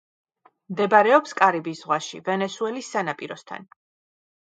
მდებარეობს კარიბის ზღვაში, ვენესუელის სანაპიროსთან.